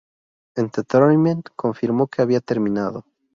Entertainment confirmó que habían terminado.